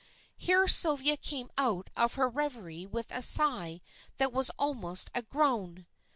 Here Sylvia came out of her reverie with a sigh that was almost a groan.